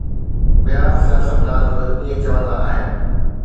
ٻيا سياستدان به ائين چوندا آهن.